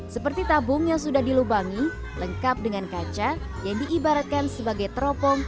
seperti tabung yang sudah dilubangi lengkap dengan kaca yang diibaratkan sebagai teropong